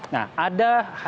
nah ada catatan